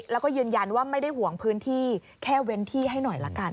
แล้วก็ยืนยันว่าไม่ได้ห่วงพื้นที่แค่เว้นที่ให้หน่อยละกัน